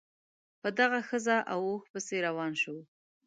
په دغه ښځه او اوښ پسې روان شو.